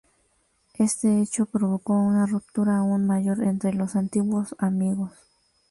Este hecho provocó una ruptura aún mayor entre los antiguos amigos.